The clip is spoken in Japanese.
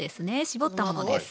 絞ったものです。